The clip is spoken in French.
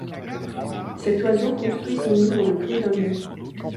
Cet oiseau construit son nid dans le creux d'un nid.